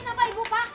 eh kenapa bebek